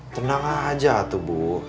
tenang aja tuh bu